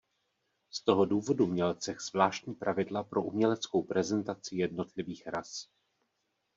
Z toho důvodu měl cech zvláštní pravidla pro uměleckou prezentaci jednotlivých ras.